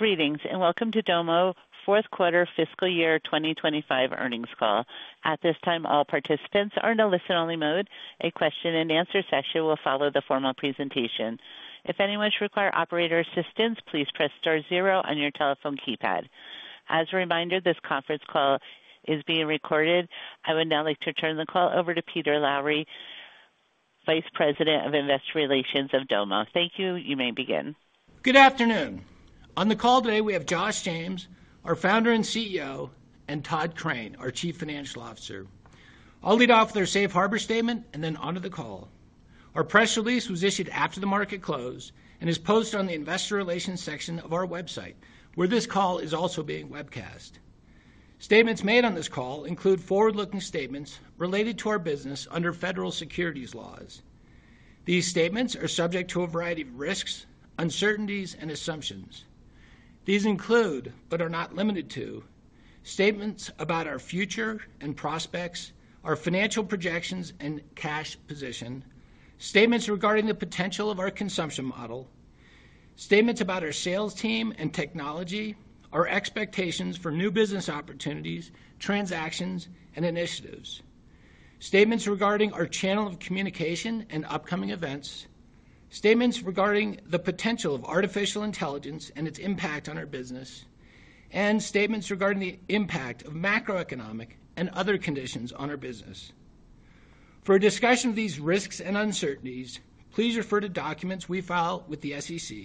Greetings and welcome to Domo Fourth Quarter Fiscal Year 2025 earnings call. At this time, all participants are in a listen-only mode. A question-and-answer session will follow the formal presentation. If anyone should require operator assistance, please press star zero on your telephone keypad. As a reminder, this conference call is being recorded. I would now like to turn the call over to Peter Lowry, Vice President of Investor Relations of Domo. Thank you. You may begin. Good afternoon. On the call today, we have Josh James, our founder and CEO, and Tod Crane, our Chief Financial Officer. I'll lead off with our Safe Harbor Statement and then on to the call. Our press release was issued after the market closed and is posted on the Investor Relations section of our website, where this call is also being webcast. Statements made on this call include forward-looking statements related to our business under federal securities laws. These statements are subject to a variety of risks, uncertainties, and assumptions. These include, but are not limited to, statements about our future and prospects, our financial projections and cash position, statements regarding the potential of our consumption model, statements about our sales team and technology, our expectations for new business opportunities, transactions, and initiatives, statements regarding our channel of communication and upcoming events, statements regarding the potential of artificial intelligence and its impact on our business, and statements regarding the impact of macroeconomic and other conditions on our business. For a discussion of these risks and uncertainties, please refer to documents we file with the SEC,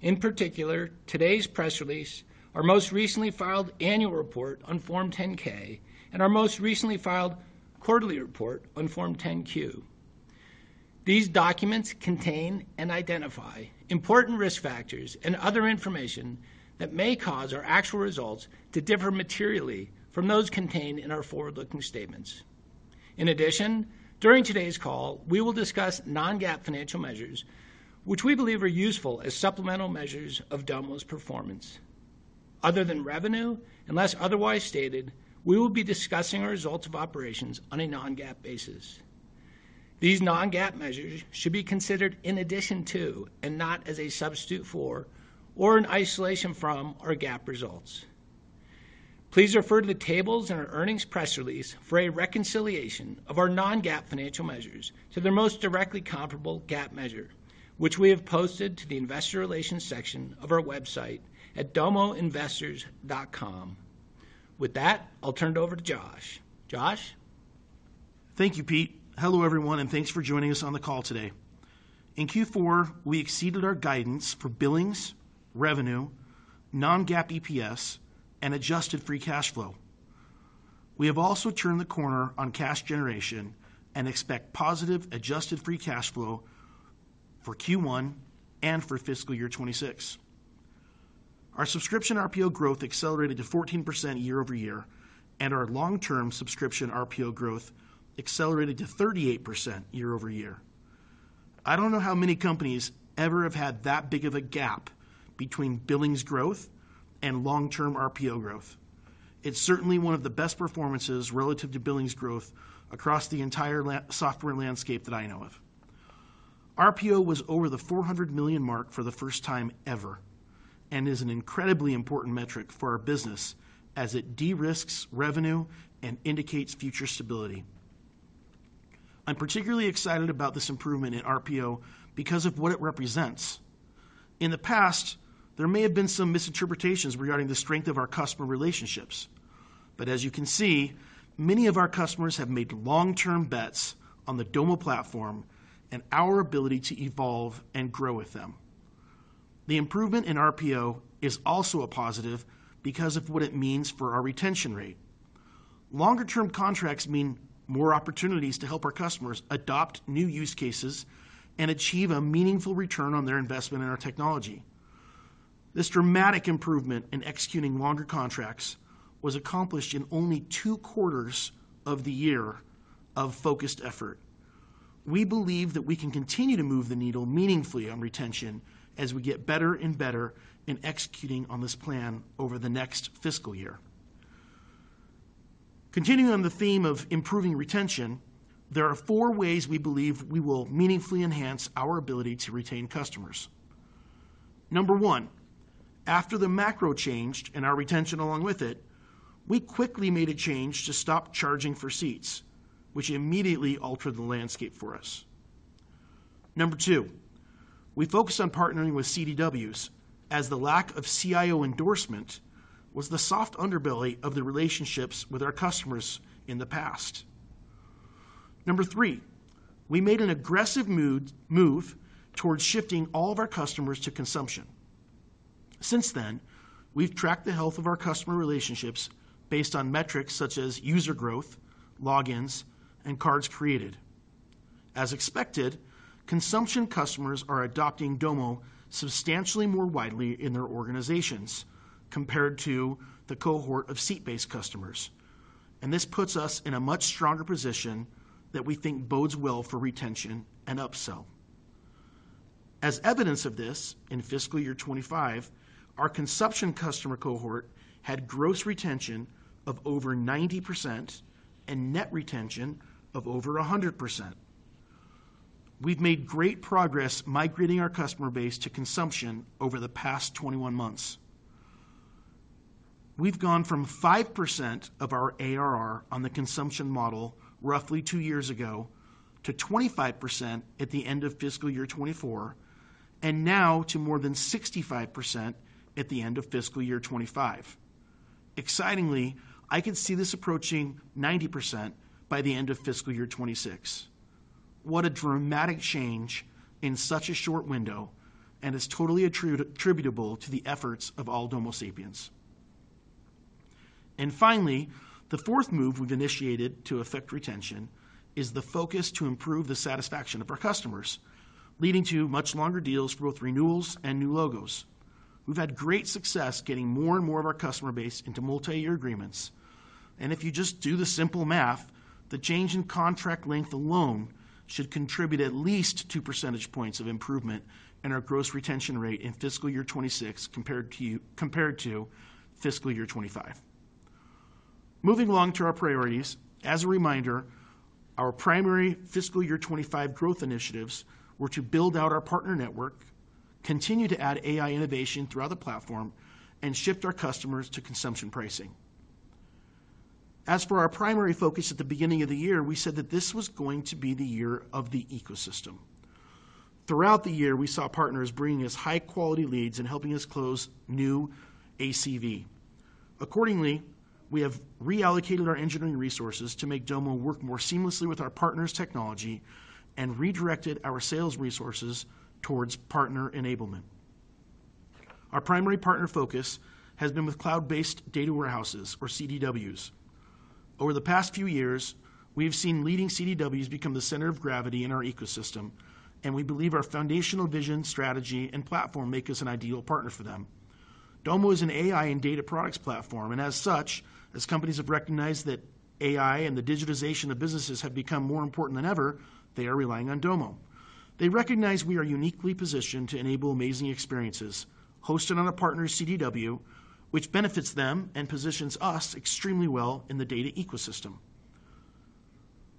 in particular today's press release, our most recently filed annual report on Form 10-K, and our most recently filed quarterly report on Form 10-Q. These documents contain and identify important risk factors and other information that may cause our actual results to differ materially from those contained in our forward-looking statements. In addition, during today's call, we will discuss non-GAAP financial measures, which we believe are useful as supplemental measures of Domo's performance. Other than revenue, unless otherwise stated, we will be discussing our results of operations on a non-GAAP basis. These non-GAAP measures should be considered in addition to, and not as a substitute for, or in isolation from our GAAP results. Please refer to the tables in our earnings press release for a reconciliation of our non-GAAP financial measures to their most directly comparable GAAP measure, which we have posted to the Investor Relations section of our website at domoinvestors.com. With that, I'll turn it over to Josh. Josh? Thank you, Pete. Hello, everyone, and thanks for joining us on the call today. In Q4, we exceeded our guidance for billings, revenue, non-GAAP EPS, and adjusted free cash flow. We have also turned the corner on cash generation and expect positive adjusted free cash flow for Q1 and for fiscal year 2026. Our subscription RPO growth accelerated to 14% year over year, and our long-term subscription RPO growth accelerated to 38% year over year. I do not know how many companies ever have had that big of a gap between billings growth and long-term RPO growth. It is certainly one of the best performances relative to billings growth across the entire software landscape that I know of. RPO was over the $400 million mark for the first time ever and is an incredibly important metric for our business as it de risks revenue and indicates future stability. I'm particularly excited about this improvement in RPO because of what it represents. In the past, there may have been some misinterpretations regarding the strength of our customer relationships, but as you can see, many of our customers have made long-term bets on the Domo platform and our ability to evolve and grow with them. The improvement in RPO is also a positive because of what it means for our retention rate. Longer-term contracts mean more opportunities to help our customers adopt new use cases and achieve a meaningful return on their investment in our technology. This dramatic improvement in executing longer contracts was accomplished in only two quarters of the year of focused effort. We believe that we can continue to move the needle meaningfully on retention as we get better and better in executing on this plan over the next fiscal year. Continuing on the theme of improving retention, there are four ways we believe we will meaningfully enhance our ability to retain customers. Number one, after the macro changed and our retention along with it, we quickly made a change to stop charging for seats, which immediately altered the landscape for us. Number two, we focused on partnering with CDWs as the lack of CIO endorsement was the soft underbelly of the relationships with our customers in the past. Number three, we made an aggressive move towards shifting all of our customers to consumption. Since then, we have tracked the health of our customer relationships based on metrics such as user growth, logins, and cards created. As expected, consumption customers are adopting Domo substantially more widely in their organizations compared to the cohort of seat-based customers, and this puts us in a much stronger position that we think bodes well for retention and upsell. As evidence of this, in fiscal year 2025, our consumption customer cohort had gross retention of over 90% and net retention of over 100%. We've made great progress migrating our customer base to consumption over the past 21 months. We've gone from 5% of our ARR on the consumption model roughly two years ago to 25% at the end of fiscal year 2024, and now to more than 65% at the end of fiscal year 2025. Excitingly, I can see this approaching 90% by the end of fiscal year 2026. What a dramatic change in such a short window, and it's totally attributable to the efforts of all Domo sapiens. Finally, the fourth move we've initiated to affect retention is the focus to improve the satisfaction of our customers, leading to much longer deals for both renewals and new logos. We've had great success getting more and more of our customer base into multi-year agreements. If you just do the simple math, the change in contract length alone should contribute at least two percentage points of improvement in our gross retention rate in fiscal year 2026 compared to fiscal year 2025. Moving along to our priorities, as a reminder, our primary fiscal year 2025 growth initiatives were to build out our partner network, continue to add AI innovation throughout the platform, and shift our customers to consumption pricing. As for our primary focus at the beginning of the year, we said that this was going to be the year of the ecosystem. Throughout the year, we saw partners bringing us high-quality leads and helping us close new ACV. Accordingly, we have reallocated our engineering resources to make Domo work more seamlessly with our partners' technology and redirected our sales resources towards partner enablement. Our primary partner focus has been with cloud-based data warehouses, or CDWs. Over the past few years, we have seen leading CDWs become the center of gravity in our ecosystem, and we believe our foundational vision, strategy, and platform make us an ideal partner for them. Domo is an AI and data products platform, and as such, as companies have recognized that AI and the digitization of businesses have become more important than ever, they are relying on Domo. They recognize we are uniquely positioned to enable amazing experiences hosted on a partner's CDW, which benefits them and positions us extremely well in the data ecosystem.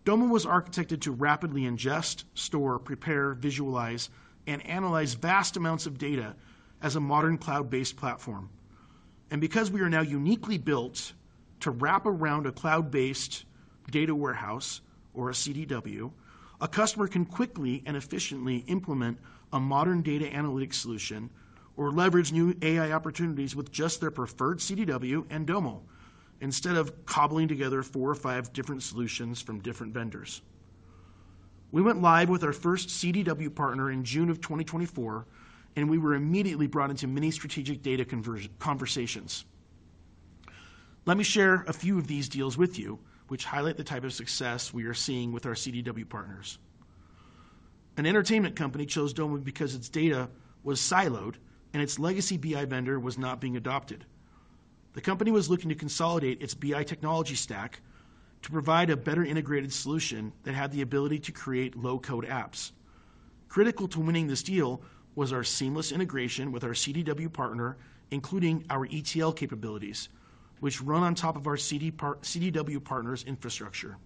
Domo was architected to rapidly ingest, store, prepare, visualize, and analyze vast amounts of data as a modern cloud-based platform. Because we are now uniquely built to wrap around a cloud-based data warehouse or a CDW, a customer can quickly and efficiently implement a modern data analytics solution or leverage new AI opportunities with just their preferred CDW and Domo instead of cobbling together four or five different solutions from different vendors. We went live with our first CDW partner in June of 2024, and we were immediately brought into many strategic data conversations. Let me share a few of these deals with you, which highlight the type of success we are seeing with our CDW partners. An entertainment company chose Domo because its data was siloed and its legacy BI vendor was not being adopted. The company was looking to consolidate its BI technology stack to provide a better integrated solution that had the ability to create low-code apps. Critical to winning this deal was our seamless integration with our CDW partner, including our ETL capabilities, which run on top of our CDW partner's infrastructure.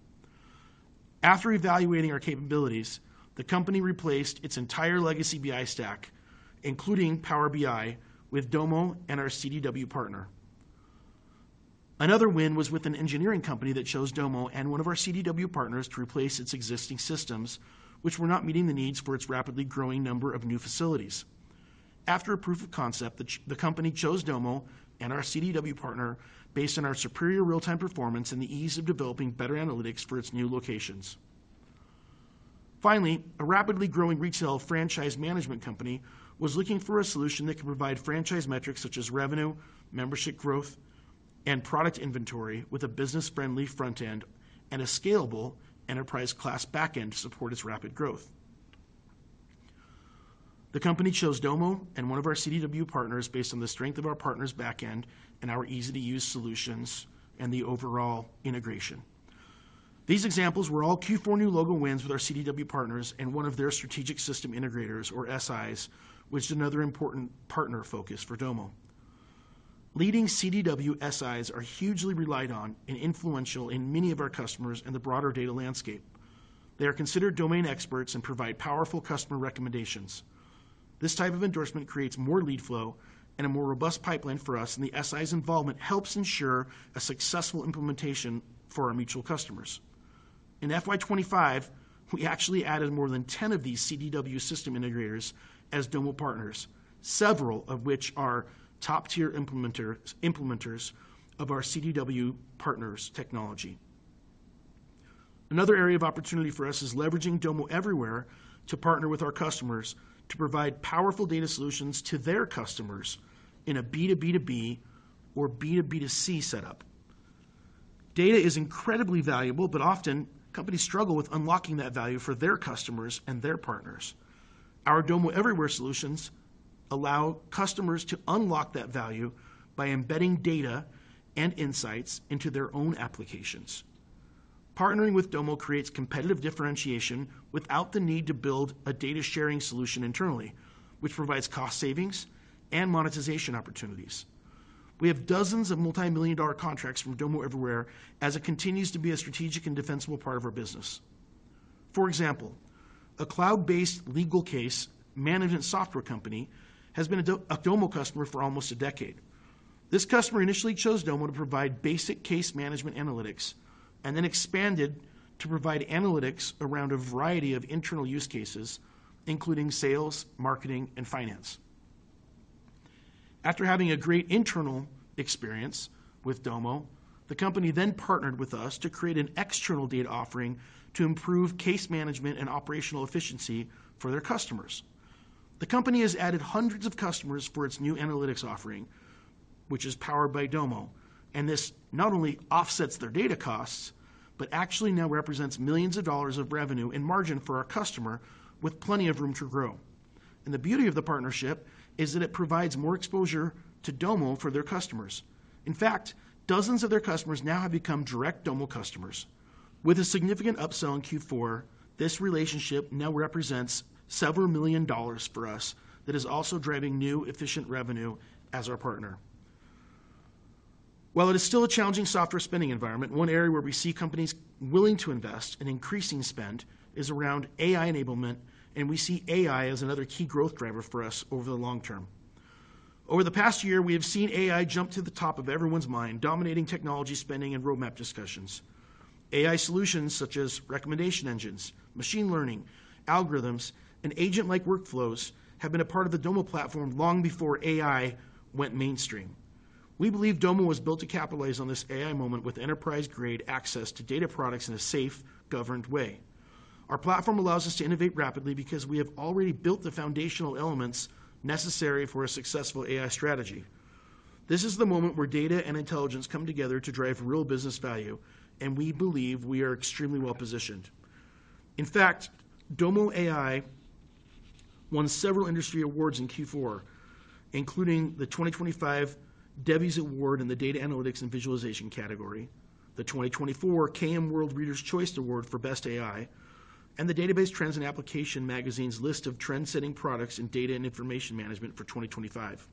After evaluating our capabilities, the company replaced its entire legacy BI stack, including Power BI, with Domo and our CDW partner. Another win was with an engineering company that chose Domo and one of our CDW partners to replace its existing systems, which were not meeting the needs for its rapidly growing number of new facilities. After a proof of concept, the company chose Domo and our CDW partner based on our superior real-time performance and the ease of developing better analytics for its new locations. Finally, a rapidly growing retail franchise management company was looking for a solution that could provide franchise metrics such as revenue, membership growth, and product inventory with a business-friendly front-end and a scalable enterprise-class back-end to support its rapid growth. The company chose Domo and one of our CDW partners based on the strength of our partner's back-end and our easy-to-use solutions and the overall integration. These examples were all Q4 new logo wins with our CDW partners and one of their strategic system integrators, or SIs, which is another important partner focus for Domo. Leading CDW SIs are hugely relied on and influential in many of our customers and the broader data landscape. They are considered domain experts and provide powerful customer recommendations. This type of endorsement creates more lead flow and a more robust pipeline for us, and the SIs' involvement helps ensure a successful implementation for our mutual customers. In FY2025, we actually added more than 10 of these CDW system integrators as Domo partners, several of which are top-tier implementers of our CDW partners' technology. Another area of opportunity for us is leveraging Domo Everywhere to partner with our customers to provide powerful data solutions to their customers in a B2B2B or B2B2C setup. Data is incredibly valuable, but often companies struggle with unlocking that value for their customers and their partners. Our Domo Everywhere solutions allow customers to unlock that value by embedding data and insights into their own applications. Partnering with Domo creates competitive differentiation without the need to build a data sharing solution internally, which provides cost savings and monetization opportunities. We have dozens of multi-million dollar contracts from Domo Everywhere as it continues to be a strategic and defensible part of our business. For example, a cloud-based legal case management software company has been a Domo customer for almost a decade. This customer initially chose Domo to provide basic case management analytics and then expanded to provide analytics around a variety of internal use cases, including sales, marketing, and finance. After having a great internal experience with Domo, the company then partnered with us to create an external data offering to improve case management and operational efficiency for their customers. The company has added hundreds of customers for its new analytics offering, which is powered by Domo, and this not only offsets their data costs, but actually now represents millions of dollars of revenue and margin for our customer with plenty of room to grow. The beauty of the partnership is that it provides more exposure to Domo for their customers. In fact, dozens of their customers now have become direct Domo customers. With a significant upsell in Q4, this relationship now represents several million dollars for us that is also driving new efficient revenue as our partner. While it is still a challenging software spending environment, one area where we see companies willing to invest in increasing spend is around AI enablement, and we see AI as another key growth driver for us over the long term. Over the past year, we have seen AI jump to the top of everyone's mind, dominating technology spending and roadmap discussions. AI solutions such as recommendation engines, machine learning, algorithms, and agent-like workflows have been a part of the Domo platform long before AI went mainstream. We believe Domo was built to capitalize on this AI moment with enterprise-grade access to data products in a safe, governed way. Our platform allows us to innovate rapidly because we have already built the foundational elements necessary for a successful AI strategy. This is the moment where data and intelligence come together to drive real business value, and we believe we are extremely well-positioned. In fact, Domo AI won several industry awards in Q4, including the 2025 DBTA Award in the data analytics and visualization category, the 2024 KMWorld Reader's Choice Award for Best AI, and the Database Trends and Applications magazine's list of trendsetting products in data and information management for 2025.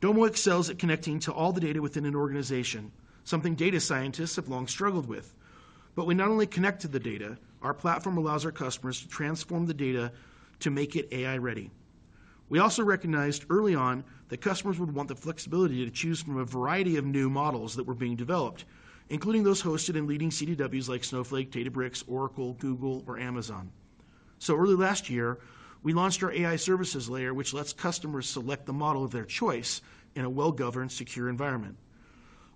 Domo excels at connecting to all the data within an organization, something data scientists have long struggled with. We not only connect to the data; our platform allows our customers to transform the data to make it AI-ready. We also recognized early on that customers would want the flexibility to choose from a variety of new models that were being developed, including those hosted in leading CDWs like Snowflake, Databricks, Oracle, Google, or Amazon. Early last year, we launched our AI services layer, which lets customers select the model of their choice in a well-governed, secure environment.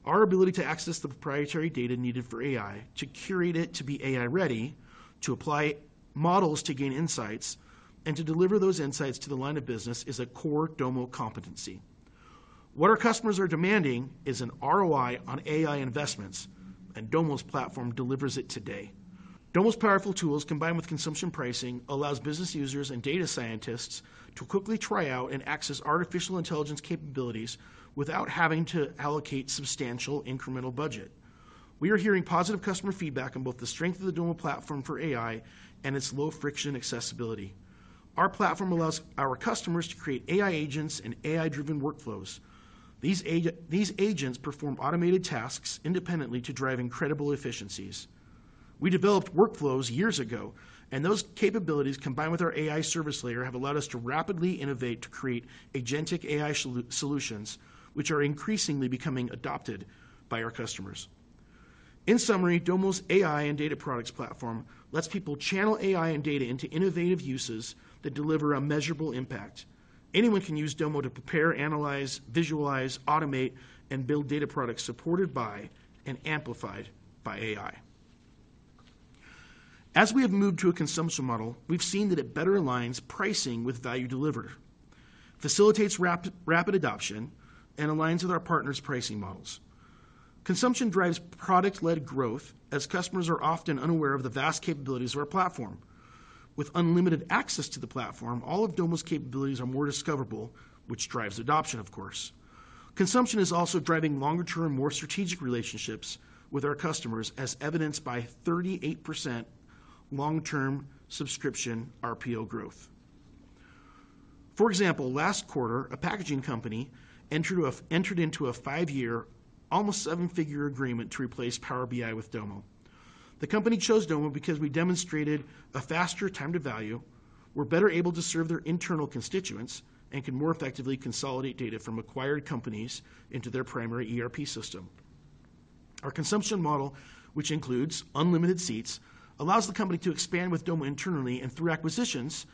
Our ability to access the proprietary data needed for AI, to curate it to be AI-ready, to apply models to gain insights, and to deliver those insights to the line of business is a core Domo competency. What our customers are demanding is an ROI on AI investments, and Domo's platform delivers it today. Domo's powerful tools, combined with consumption pricing, allow business users and data scientists to quickly try out and access artificial intelligence capabilities without having to allocate substantial incremental budget. We are hearing positive customer feedback on both the strength of the Domo platform for AI and its low-friction accessibility. Our platform allows our customers to create AI agents and AI-driven workflows. These agents perform automated tasks independently to drive incredible efficiencies. We developed workflows years ago, and those capabilities, combined with our AI service layer, have allowed us to rapidly innovate to create agentic AI solutions, which are increasingly becoming adopted by our customers. In summary, Domo's AI and data products platform lets people channel AI and data into innovative uses that deliver a measurable impact. Anyone can use Domo to prepare, analyze, visualize, automate, and build data products supported by and amplified by AI. As we have moved to a consumption model, we've seen that it better aligns pricing with value delivered, facilitates rapid adoption, and aligns with our partner's pricing models. Consumption drives product-led growth as customers are often unaware of the vast capabilities of our platform. With unlimited access to the platform, all of Domo's capabilities are more discoverable, which drives adoption, of course. Consumption is also driving longer-term, more strategic relationships with our customers, as evidenced by 38% long-term subscription RPO growth. For example, last quarter, a packaging company entered into a five-year, almost seven-figure agreement to replace Power BI with Domo. The company chose Domo because we demonstrated a faster time to value, were better able to serve their internal constituents, and can more effectively consolidate data from acquired companies into their primary ERP system. Our consumption model, which includes unlimited seats, allows the company to expand with Domo internally and through acquisitions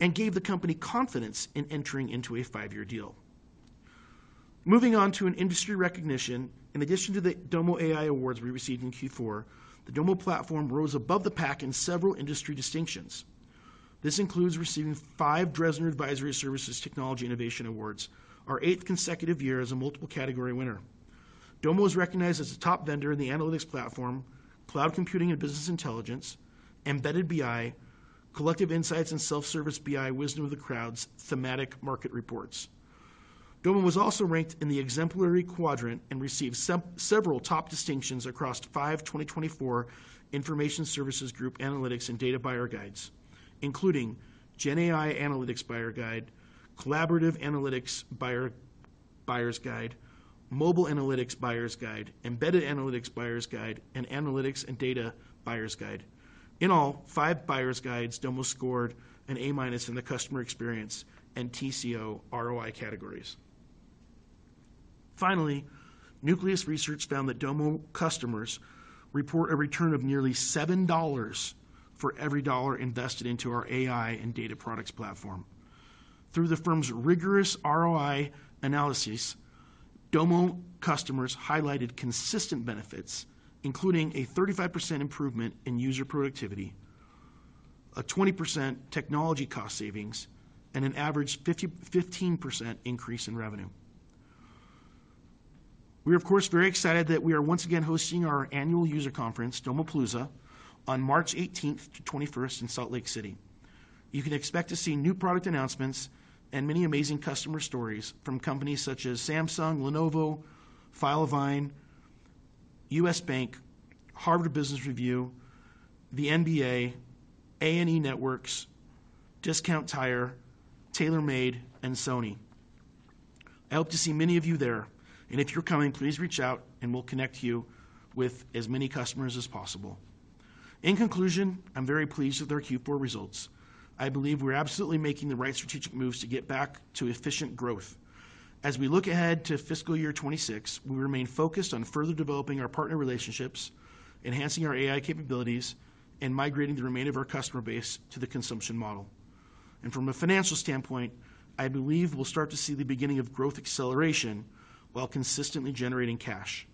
and gave the company confidence in entering into a five-year deal. Moving on to an industry recognition, in addition to the Domo AI awards we received in Q4, the Domo platform rose above the pack in several industry distinctions. This includes receiving five Dresner Advisory Services Technology Innovation Awards, our eighth consecutive year as a multiple category winner. Domo is recognized as a top vendor in the analytics platform, cloud computing and business intelligence, embedded BI, collective insights, and self-service BI wisdom of the crowd's thematic market reports. Domo was also ranked in the exemplary quadrant and received several top distinctions across five 2024 Information Services Group analytics and data buyer guides, including GenAI analytics buyer guide, collaborative analytics buyers guide, mobile analytics buyers guide, embedded analytics buyers guide, and analytics and data buyers guide. In all five buyers guides, Domo scored an A- in the customer experience and TCO ROI categories. Finally, Nucleus Research found that Domo customers report a return of nearly $7 for every dollar invested into our AI and data products platform. Through the firm's rigorous ROI analysis, Domo customers highlighted consistent benefits, including a 35% improvement in user productivity, a 20% technology cost savings, and an average 15% increase in revenue. We are, of course, very excited that we are once again hosting our annual user conference, Domo Palooza, on March 18th to 21st in Salt Lake City. You can expect to see new product announcements and many amazing customer stories from companies such as Samsung, Lenovo, Filovine, U.S. Bank, Harvard Business Review, the NBA, A&E Networks, Discount Tire, TaylorMade, and Sony. I hope to see many of you there, and if you're coming, please reach out, and we'll connect you with as many customers as possible. In conclusion, I'm very pleased with our Q4 results. I believe we're absolutely making the right strategic moves to get back to efficient growth. As we look ahead to fiscal year 2026, we remain focused on further developing our partner relationships, enhancing our AI capabilities, and migrating the remainder of our customer base to the consumption model. From a financial standpoint, I believe we'll start to see the beginning of growth acceleration while consistently generating cash.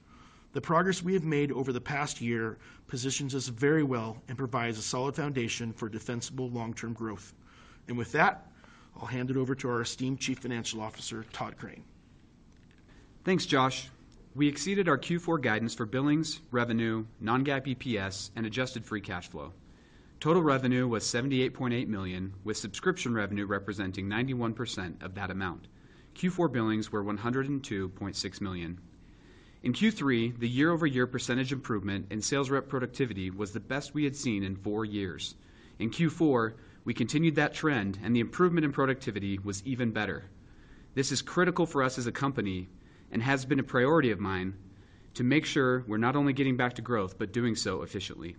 The progress we have made over the past year positions us very well and provides a solid foundation for defensible long-term growth. With that, I'll hand it over to our esteemed Chief Financial Officer, Tod Crane. Thanks, Josh. We exceeded our Q4 guidance for billings, revenue, non-GAAP EPS, and adjusted free cash flow. Total revenue was $78.8 million, with subscription revenue representing 91% of that amount. Q4 billings were $102.6 million. In Q3, the year-over-year percentage improvement in sales rep productivity was the best we had seen in four years. In Q4, we continued that trend, and the improvement in productivity was even better. This is critical for us as a company and has been a priority of mine to make sure we're not only getting back to growth, but doing so efficiently.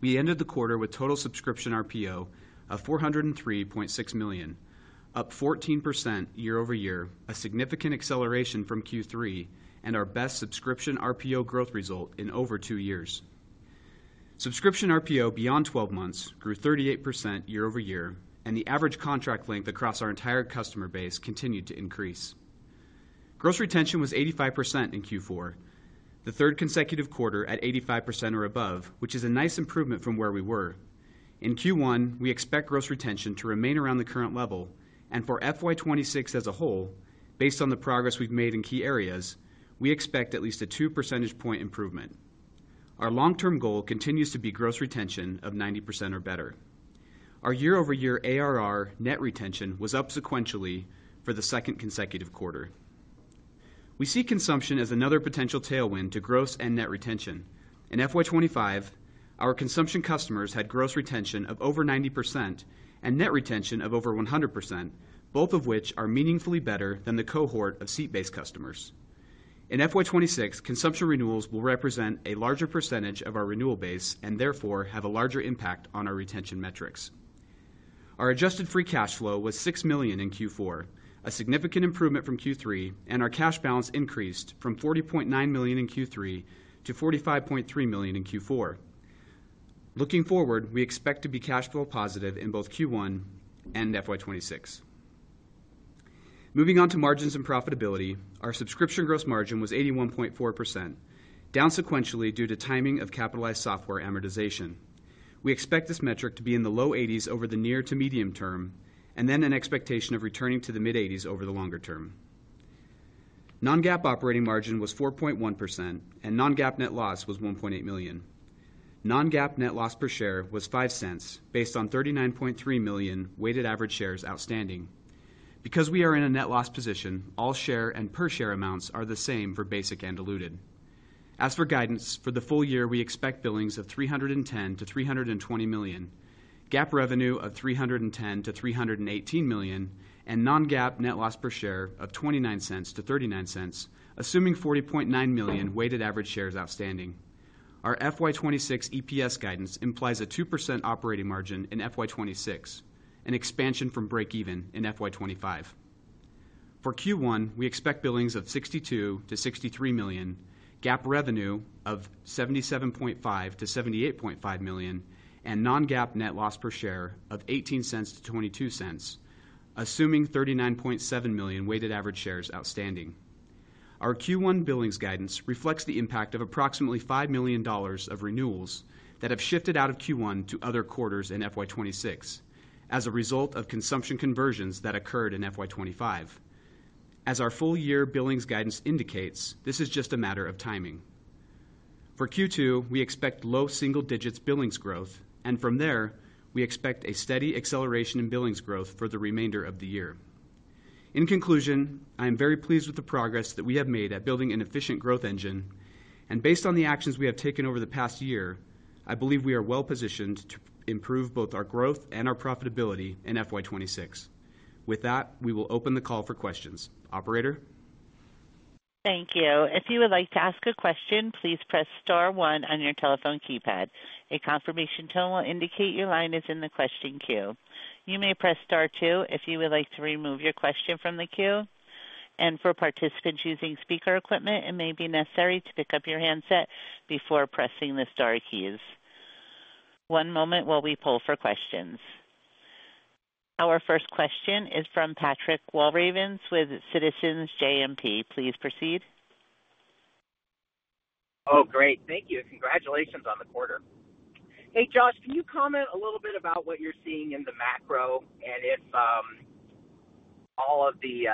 We ended the quarter with total subscription RPO of $403.6 million, up 14% year-over-year, a significant acceleration from Q3 and our best subscription RPO growth result in over two years. Subscription RPO beyond 12 months grew 38% year-over-year, and the average contract length across our entire customer base continued to increase. Gross retention was 85% in Q4, the third consecutive quarter at 85% or above, which is a nice improvement from where we were. In Q1, we expect gross retention to remain around the current level, and for FY2026 as a whole, based on the progress we've made in key areas, we expect at least a 2 percentage point improvement. Our long-term goal continues to be gross retention of 90% or better. Our year-over-year ARR net retention was up sequentially for the second consecutive quarter. We see consumption as another potential tailwind to gross and net retention. In FY25, our consumption customers had gross retention of over 90% and net retention of over 100%, both of which are meaningfully better than the cohort of seat-based customers. In FY26, consumption renewals will represent a larger percentage of our renewal base and therefore have a larger impact on our retention metrics. Our adjusted free cash flow was $6 million in Q4, a significant improvement from Q3, and our cash balance increased from $40.9 million in Q3 to $45.3 million in Q4. Looking forward, we expect to be cash flow positive in both Q1 and FY26. Moving on to margins and profitability, our subscription gross margin was 81.4%, down sequentially due to timing of capitalized software amortization. We expect this metric to be in the low 80s over the near to medium term, and then an expectation of returning to the mid-80s over the longer term. Non-GAAP operating margin was 4.1%, and non-GAAP net loss was $1.8 million. Non-GAAP net loss per share was $0.05, based on 39.3 million weighted average shares outstanding. Because we are in a net loss position, all share and per share amounts are the same for basic and diluted. As for guidance, for the full year, we expect billings of $310-$320 million, GAAP revenue of $310-$318 million, and non-GAAP net loss per share of $0.29-$0.39, assuming 40.9 million weighted average shares outstanding. Our FY2026 EPS guidance implies a 2% operating margin in FY2026, an expansion from break-even in FY2025. For Q1, we expect billings of $62-$63 million, GAAP revenue of $77.5-$78.5 million, and non-GAAP net loss per share of $0.18-$0.22, assuming 39.7 million weighted average shares outstanding. Our Q1 billings guidance reflects the impact of approximately $5 million of renewals that have shifted out of Q1 to other quarters in FY26 as a result of consumption conversions that occurred in FY25. As our full-year billings guidance indicates, this is just a matter of timing. For Q2, we expect low single-digits billings growth, and from there, we expect a steady acceleration in billings growth for the remainder of the year. In conclusion, I am very pleased with the progress that we have made at building an efficient growth engine, and based on the actions we have taken over the past year, I believe we are well-positioned to improve both our growth and our profitability in FY26. With that, we will open the call for questions. Operator? Thank you. If you would like to ask a question, please press Star0ne on your telephone keypad. A confirmation tone will indicate your line is in the question queue. You may press Star 2 if you would like to remove your question from the queue. For participants using speaker equipment, it may be necessary to pick up your handset before pressing the Star keys. One moment while we pull for questions. Our first question is from Patrick Walravens with Citizens JMP. Please proceed. Oh, great. Thank you. Congratulations on the quarter. Hey, Josh, can you comment a little bit about what you're seeing in the macro and if all of the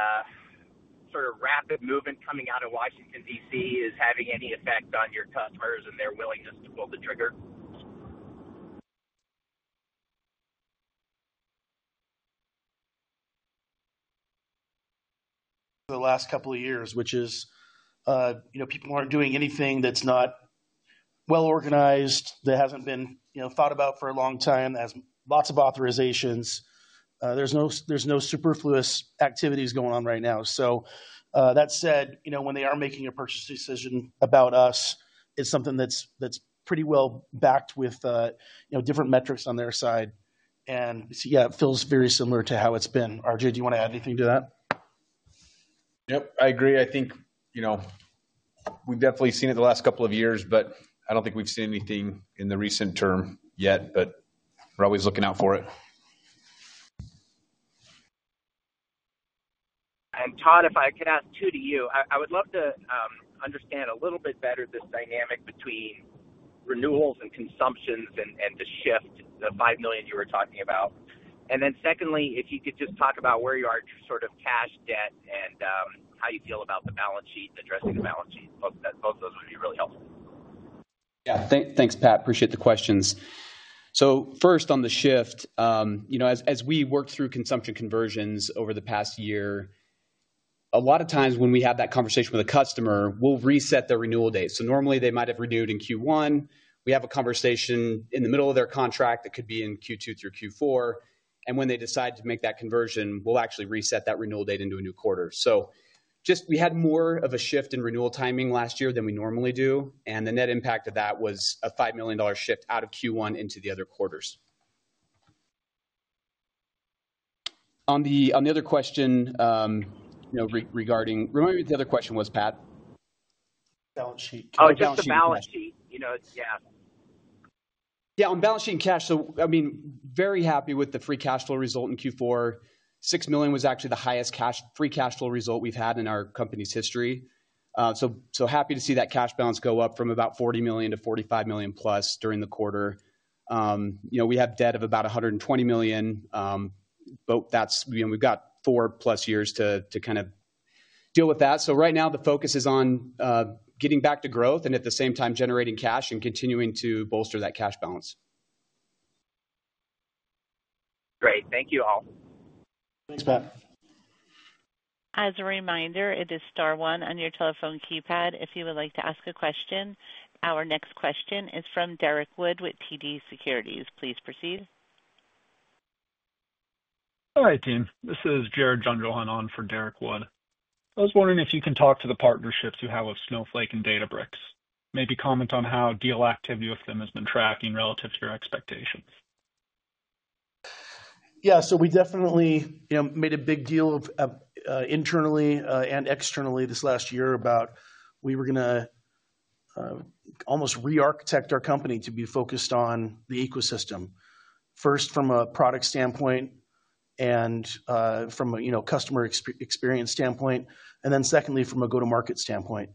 sort of rapid movement coming out of Washington, D.C. is having any effect on your customers and their willingness to pull the trigger? The last couple of years, which is people aren't doing anything that's not well-organized, that hasn't been thought about for a long time, has lots of authorizations. There's no superfluous activities going on right now. That said, when they are making a purchase decision about us, it's something that's pretty well-backed with different metrics on their side. Yeah, it feels very similar to how it's been., do you want to add anything to that? Yep, I agree. I think we've definitely seen it the last couple of years, but I don't think we've seen anything in the recent term yet, but we're always looking out for it. Todd, if I can ask two to you, I would love to understand a little bit better this dynamic between renewals and consumptions and the shift, the $5 million you were talking about. Then secondly, if you could just talk about where you are sort of cash, debt, and how you feel about the balance sheet, addressing the balance sheet, both of those would be really helpful. Yeah, thanks, Pat. Appreciate the questions. First, on the shift, as we worked through consumption conversions over the past year, a lot of times when we have that conversation with a customer, we will reset their renewal date. Normally, they might have renewed in Q1. We have a conversation in the middle of their contract that could be in Q2 through Q4. When they decide to make that conversion, we will actually reset that renewal date into a new quarter. We had more of a shift in renewal timing last year than we normally do. The net impact of that was a $5 million shift out of Q1 into the other quarters. On the other question regarding remind me what the other question was, Pat. Balance sheet. Oh, just the balance sheet. Yeah. On balance sheet and cash, I mean, very happy with the free cash flow result in Q4. $6 million was actually the highest free cash flow result we've had in our company's history. Happy to see that cash balance go up from about $40 million to $45 million plus during the quarter. We have debt of about $120 million. We've got four-plus years to kind of deal with that. Right now, the focus is on getting back to growth and at the same time generating cash and continuing to bolster that cash balance. Great. Thank you all. Thanks, Pat. As a reminder, it is Star one on your telephone keypad if you would like to ask a question. Our next question is from Derek Wood with TD Securities. Please proceed. Hi, team. This is Jared Jungjohann for Derek Wood. I was wondering if you can talk to the partnerships you have with Snowflake and Databricks. Maybe comment on how deal activity with them has been tracking relative to your expectations. Yeah, we definitely made a big deal internally and externally this last year about we were going to almost re-architect our company to be focused on the ecosystem, first from a product standpoint and from a customer experience standpoint, and then secondly from a go-to-market standpoint.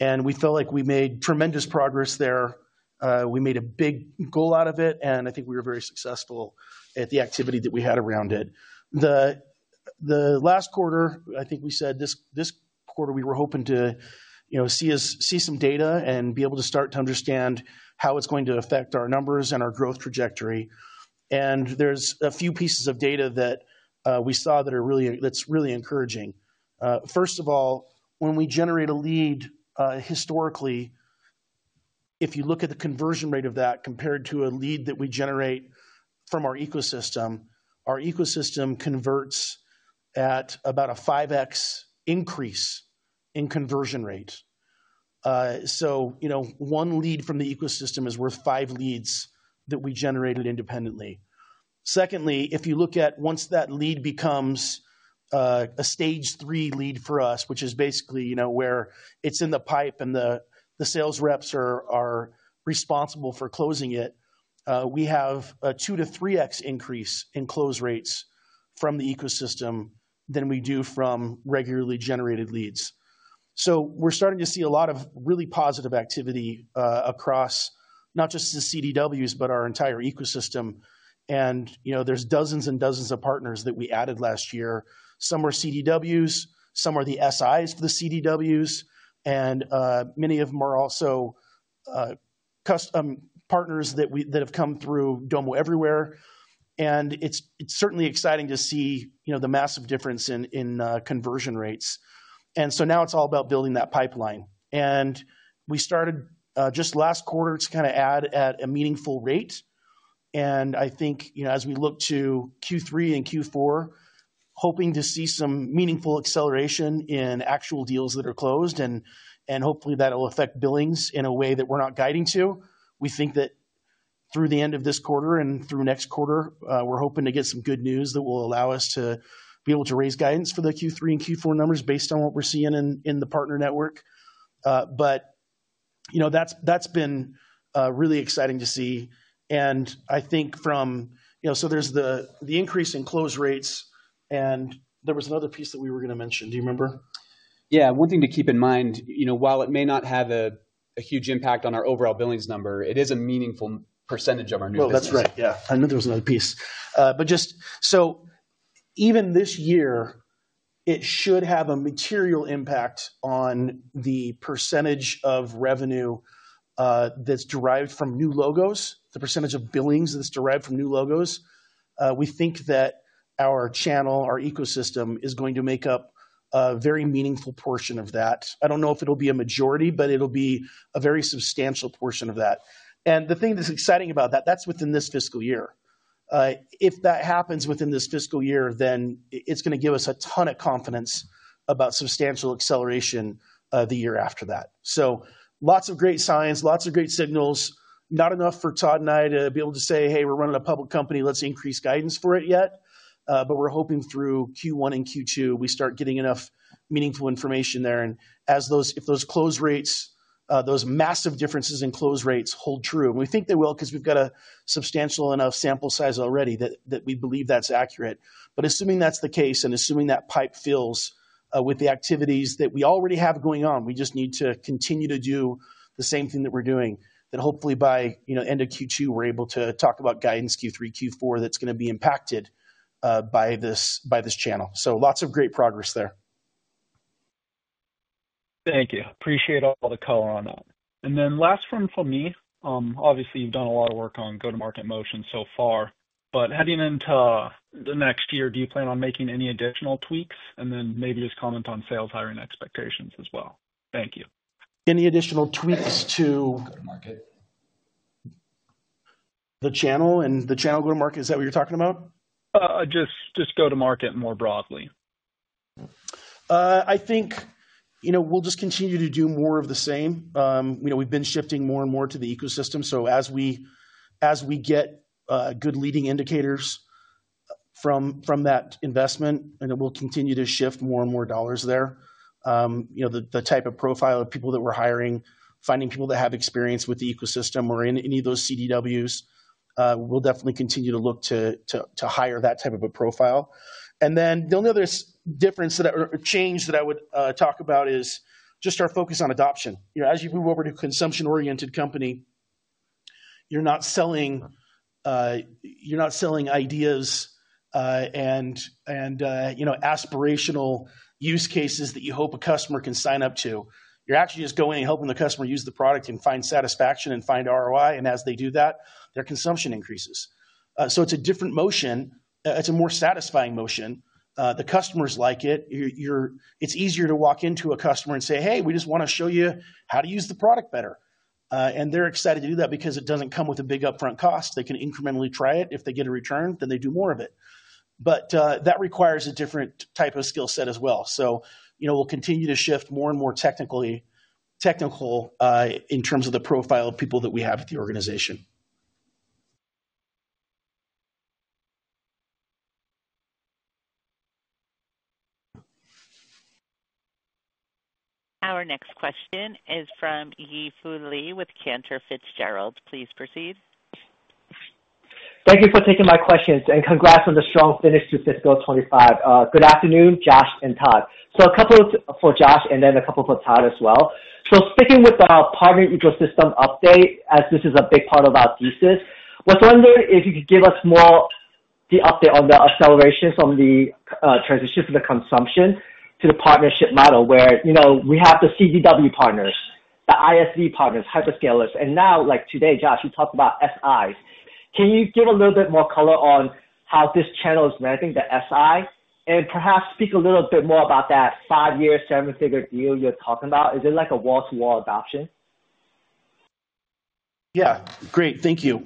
We felt like we made tremendous progress there. We made a big goal out of it, and I think we were very successful at the activity that we had around it. The last quarter, I think we said this quarter we were hoping to see some data and be able to start to understand how it's going to affect our numbers and our growth trajectory. There are a few pieces of data that we saw that's really encouraging. First of all, when we generate a lead, historically, if you look at the conversion rate of that compared to a lead that we generate from our ecosystem, our ecosystem converts at about a 5x increase in conversion rate. One lead from the ecosystem is worth five leads that we generated independently. Secondly, if you look at once that lead becomes a stage three lead for us, which is basically where it's in the pipe and the sales reps are responsible for closing it, we have a 2-3x increase in close rates from the ecosystem than we do from regularly generated leads. We are starting to see a lot of really positive activity across not just the CDWs, but our entire ecosystem. There are dozens and dozens of partners that we added last year. Some are CDWs. Some are the SIs for the CDWs. Many of them are also partners that have come through Domo Everywhere. It is certainly exciting to see the massive difference in conversion rates. Now it is all about building that pipeline. We started just last quarter to kind of add at a meaningful rate. I think as we look to Q3 and Q4, hoping to see some meaningful acceleration in actual deals that are closed, and hopefully that will affect billings in a way that we're not guiding to. We think that through the end of this quarter and through next quarter, we're hoping to get some good news that will allow us to be able to raise guidance for the Q3 and Q4 numbers based on what we're seeing in the partner network. That's been really exciting to see. I think from so there's the increase in close rates, and there was another piece that we were going to mention. Do you remember? Yeah, one thing to keep in mind, while it may not have a huge impact on our overall billings number, it is a meaningful percentage of our new business. Oh, that's right. Yeah. I knew there was another piece. Just so even this year, it should have a material impact on the % of revenue that's derived from new logos, the % of billings that's derived from new logos. We think that our channel, our ecosystem is going to make up a very meaningful portion of that. I don't know if it'll be a majority, but it'll be a very substantial portion of that. The thing that's exciting about that, that's within this fiscal year. If that happens within this fiscal year, then it's going to give us a ton of confidence about substantial acceleration the year after that. Lots of great signs, lots of great signals. Not enough for Todd and I to be able to say, "Hey, we're running a public company. Let's increase guidance for it yet." We are hoping through Q1 and Q2, we start getting enough meaningful information there. If those close rates, those massive differences in close rates hold true, and we think they will because we've got a substantial enough sample size already that we believe that's accurate. Assuming that's the case and assuming that pipe fills with the activities that we already have going on, we just need to continue to do the same thing that we're doing, that hopefully by end of Q2, we're able to talk about guidance Q3, Q4 that's going to be impacted by this channel. Lots of great progress there. Thank you. Appreciate all the color on that. Last one from me. Obviously, you've done a lot of work on go-to-market motion so far. Heading into the next year, do you plan on making any additional tweaks? Maybe just comment on sales hiring expectations as well. Thank you. Any additional tweaks to the channel and the channel go-to-market, is that what you're talking about? Just go-to-market more broadly. I think we'll just continue to do more of the same. We've been shifting more and more to the ecosystem. As we get good leading indicators from that investment, we'll continue to shift more and more dollars there. The type of profile of people that we're hiring, finding people that have experience with the ecosystem or in any of those CDWs, we'll definitely continue to look to hire that type of a profile. The only other difference or change that I would talk about is just our focus on adoption. As you move over to a consumption-oriented company, you're not selling ideas and aspirational use cases that you hope a customer can sign up to. You're actually just going and helping the customer use the product and find satisfaction and find ROI. As they do that, their consumption increases. It is a different motion. It is a more satisfying motion. The customers like it. It is easier to walk into a customer and say, "Hey, we just want to show you how to use the product better." They are excited to do that because it does not come with a big upfront cost. They can incrementally try it. If they get a return, they do more of it. That requires a different type of skill set as well. We will continue to shift more and more technical in terms of the profile of people that we have at the organization. Our next question is from Ye Foley with Cantor Fitzgerald. Please proceed. Thank you for taking my questions. Congrats on the strong finish to Fiscal 2025. Good afternoon, Josh and Todd. A couple for Josh and then a couple for Todd as well. Sticking with the partner ecosystem update, as this is a big part of our thesis, I was wondering if you could give us more of the update on the acceleration from the transition to the consumption to the partnership model where we have the CDW partners, the ISV partners, hyperscalers. Now, like today, Josh, you talked about SIs. Can you give a little bit more color on how this channel is managing the SI? Perhaps speak a little bit more about that five-year, seven-figure deal you are talking about. Is it like a wall-to-wall adoption? Yeah. Great. Thank you.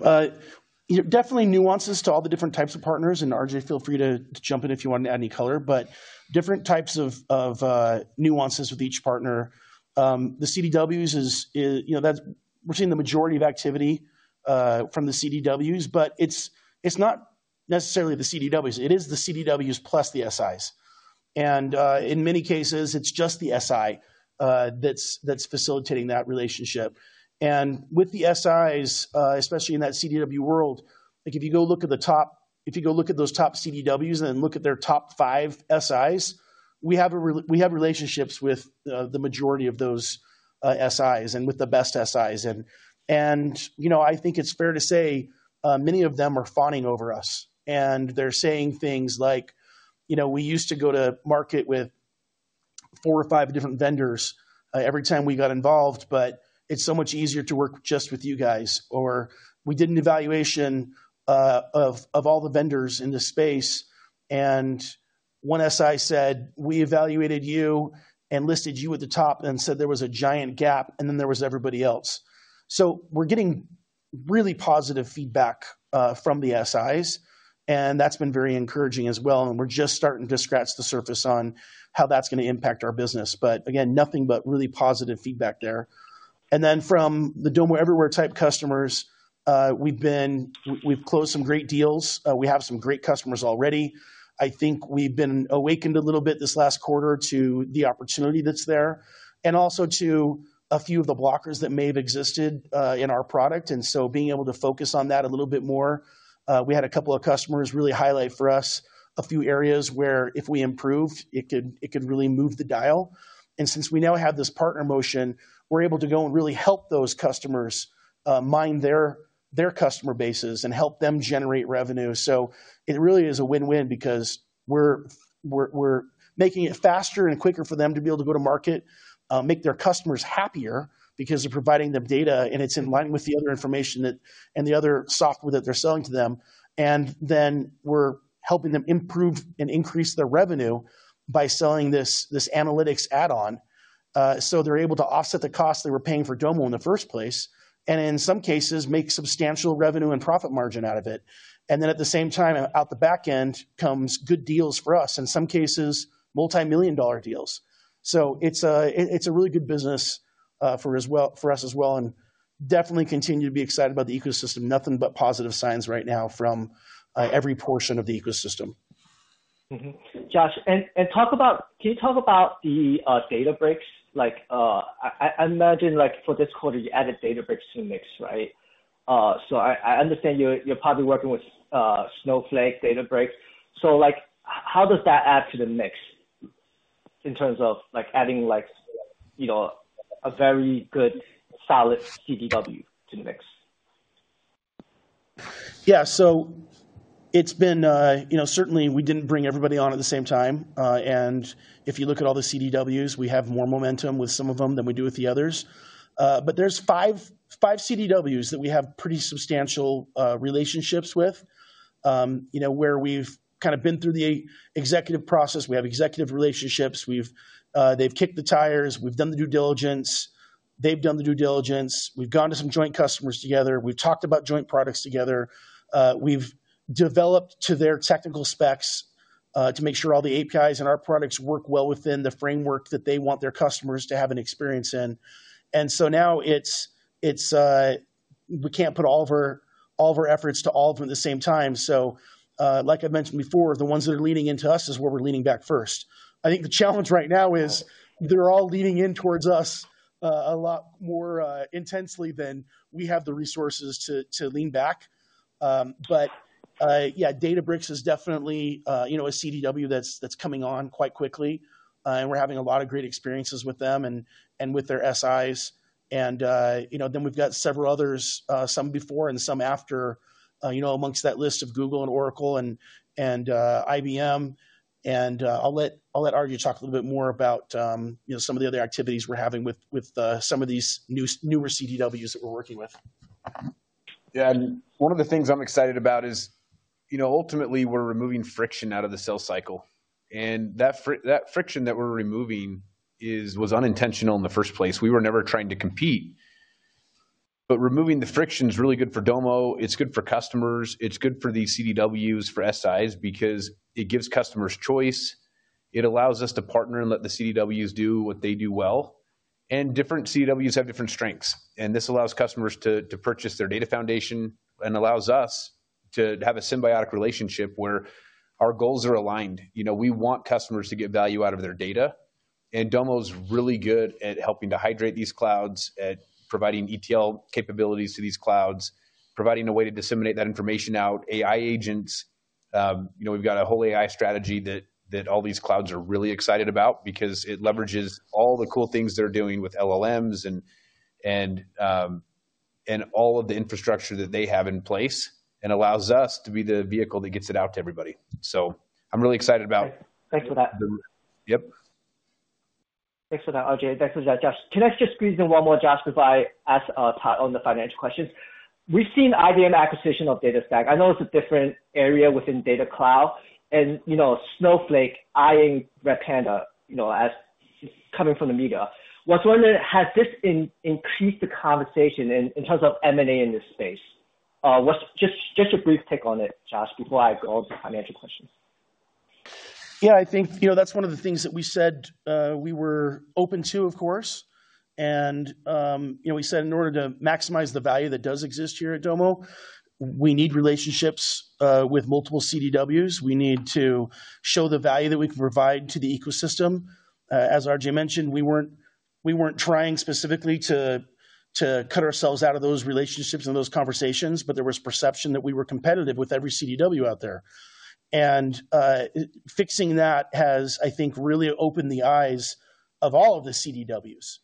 Definitely nuances to all the different types of partners. RJ, feel free to jump in if you want to add any color. Different types of nuances with each partner. The CDWs, we're seeing the majority of activity from the CDWs, but it's not necessarily the CDWs. It is the CDWs plus the SIs. In many cases, it's just the SI that's facilitating that relationship. With the SIs, especially in that CDW world, if you go look at the top, if you go look at those top CDWs and look at their top five SIs, we have relationships with the majority of those SIs and with the best SIs. I think it's fair to say many of them are fawning over us. They are saying things like, "We used to go to market with four or five different vendors every time we got involved, but it is so much easier to work just with you guys." "We did an evaluation of all the vendors in the space, and one SI said, 'We evaluated you and listed you at the top,' and said there was a giant gap, and then there was everybody else." We are getting really positive feedback from the SIs, and that has been very encouraging as well. We are just starting to scratch the surface on how that is going to impact our business. Nothing but really positive feedback there. From the Domo Everywhere type customers, we have closed some great deals. We have some great customers already. I think we've been awakened a little bit this last quarter to the opportunity that's there, and also to a few of the blockers that may have existed in our product. Being able to focus on that a little bit more, we had a couple of customers really highlight for us a few areas where if we improved, it could really move the dial. Since we now have this partner motion, we're able to go and really help those customers mind their customer bases and help them generate revenue. It really is a win-win because we're making it faster and quicker for them to be able to go to market, make their customers happier because we're providing them data, and it's in line with the other information and the other software that they're selling to them. We're helping them improve and increase their revenue by selling this analytics add-on. They're able to offset the cost they were paying for Domo in the first place, and in some cases, make substantial revenue and profit margin out of it. At the same time, out the back end comes good deals for us, in some cases, multi-million dollar deals. It is a really good business for us as well. We definitely continue to be excited about the ecosystem. Nothing but positive signs right now from every portion of the ecosystem. Josh, can you talk about the Databricks? I imagine for this quarter, you added Databricks to the mix, right? I understand you're probably working with Snowflake, Databricks. How does that add to the mix in terms of adding a very good, solid CDW to the mix? Yeah. has certainly been that we did not bring everybody on at the same time. If you look at all the CDWs, we have more momentum with some of them than we do with others. There are five CDWs that we have pretty substantial relationships with where we have been through the executive process. We have executive relationships. They have kicked the tires. We have done the due diligence. They have done the due diligence. We have gone to some joint customers together. We have talked about joint products together. We have developed to their technical specs to make sure all the APIs and our products work well within the framework that they want their customers to have an experience in. Now we cannot put all of our efforts to all of them at the same time. Like I mentioned before, the ones that are leaning into us is where we're leaning back first. I think the challenge right now is they're all leaning in towards us a lot more intensely than we have the resources to lean back. Yeah, Databricks is definitely a CDW that's coming on quite quickly. We're having a lot of great experiences with them and with their SIS. We've got several others, some before and some after, amongst that list of Google and Oracle and IBM. I'll let RJ talk a little bit more about some of the other activities we're having with some of these newer CDWs that we're working with. One of the things I'm excited about is ultimately, we're removing friction out of the sales cycle. That friction that we're removing was unintentional in the first place. We were never trying to compete. Removing the friction is really good for Domo. It's good for customers. It's good for these CDWs, for SIs, because it gives customers choice. It allows us to partner and let the CDWs do what they do well. Different CDWs have different strengths. This allows customers to purchase their data foundation and allows us to have a symbiotic relationship where our goals are aligned. We want customers to get value out of their data. Domo's really good at helping to hydrate these clouds, at providing ETL capabilities to these clouds, providing a way to disseminate that information out, AI agents. We've got a whole AI strategy that all these clouds are really excited about because it leverages all the cool things they're doing with LLMs and all of the infrastructure that they have in place and allows us to be the vehicle that gets it out to everybody. I'm really excited about that. Thanks for that. Yep. Thanks for that, RJ. Thanks for that, Josh. Can I just squeeze in one more, Josh, before I ask Tod on the financial questions? We've seen IBM acquisition of DataStax. I know it's a different area within Data Cloud. And Snowflake, eyeing Repanda, coming from the media. I was wondering, has this increased the conversation in terms of M&A in this space? Just a brief take on it, Josh, before I go on to financial questions. Yeah. I think that's one of the things that we said we were open to, of course. We said in order to maximize the value that does exist here at Domo, we need relationships with multiple CDWs. We need to show the value that we can provide to the ecosystem. As RJ mentioned, we were not trying specifically to cut ourselves out of those relationships and those conversations, but there was perception that we were competitive with every CDW out there. Fixing that has, I think, really opened the eyes of all of the CDWs.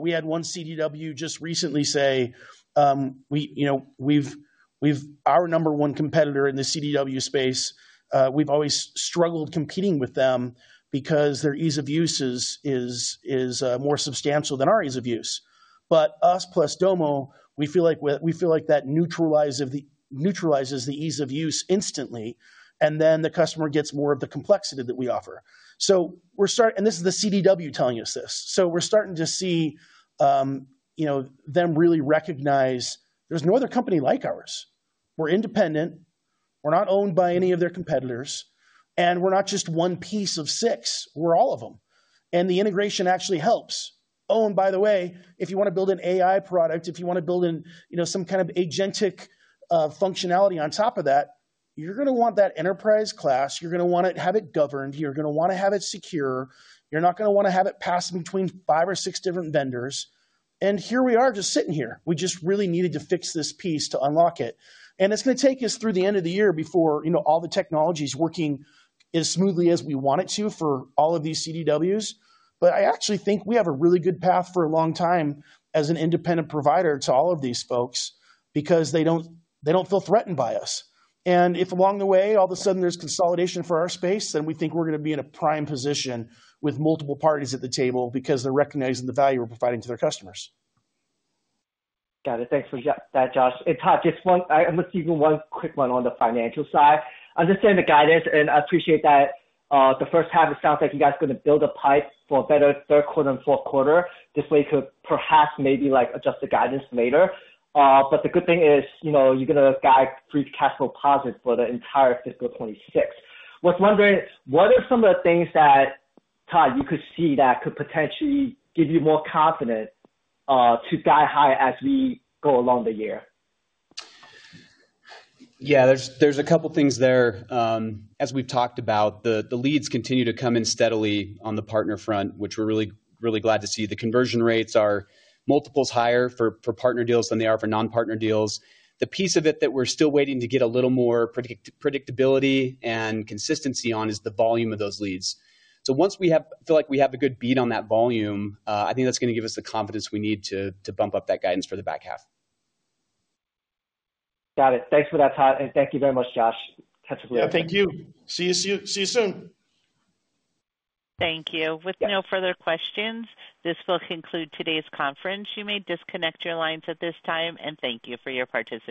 We had one CDW just recently say, "We have our number one competitor in the CDW space. We have always struggled competing with them because their ease of use is more substantial than our ease of use." Us plus Domo, we feel like that neutralizes the ease of use instantly, and then the customer gets more of the complexity that we offer. This is the CDW telling us this. We're starting to see them really recognize there's no other company like ours. We're independent. We're not owned by any of their competitors. We're not just one piece of six. We're all of them. The integration actually helps. Oh, and by the way, if you want to build an AI product, if you want to build in some kind of agentic functionality on top of that, you're going to want that enterprise class. You're going to want to have it governed. You're going to want to have it secure. You're not going to want to have it passing between five or six different vendors. Here we are just sitting here. We just really needed to fix this piece to unlock it. It's going to take us through the end of the year before all the technology is working as smoothly as we want it to for all of these CDWs. I actually think we have a really good path for a long time as an independent provider to all of these folks because they do not feel threatened by us. If along the way, all of a sudden, there is consolidation for our space, then we think we are going to be in a prime position with multiple parties at the table because they are recognizing the value we are providing to their customers. Got it. Thanks for that, Josh. Todd, just one quick one on the financial side. I understand the guidance, and I appreciate that. The first half, it sounds like you guys are going to build a pipe for a better third quarter and fourth quarter. This way, you could perhaps maybe adjust the guidance later. The good thing is you're going to guide free cash flow positive for the entire fiscal 2026. I was wondering, what are some of the things that, Todd, you could see that could potentially give you more confidence to guide higher as we go along the year? Yeah. There's a couple of things there. As we've talked about, the leads continue to come in steadily on the partner front, which we're really glad to see. The conversion rates are multiples higher for partner deals than they are for non-partner deals. The piece of it that we're still waiting to get a little more predictability and consistency on is the volume of those leads. Once we feel like we have a good beat on that volume, I think that's going to give us the confidence we need to bump up that guidance for the back half. Got it. Thanks for that, Todd. And thank you very much, Josh. Touch of love. Y eah. Thank you. See you soon. Thank you. With no further questions, this will conclude today's conference. You may disconnect your lines at this time, and thank you for your participation.